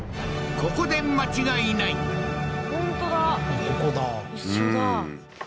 ここで間違いない本当だ